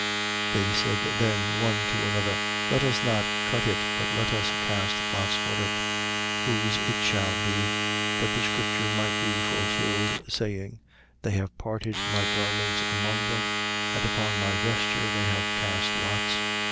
19:24. They said then one to another: Let us not cut it but let us cast lots for it, whose it shall be; that the scripture might be fulfilled, saying: They have parted my garments among them, and upon my vesture they have cast lots.